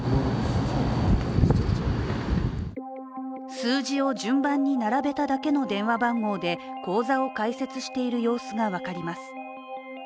数字を順番に並べただけの電話番号で口座を開設している様子が分かります。